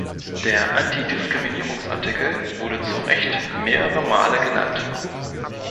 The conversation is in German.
Der Antidiskriminierungsartikel wurde zu Recht mehrere Male genannt.